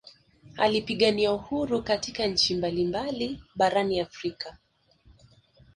Alipigania uhuru katika nchi mbali mbali barani Afrika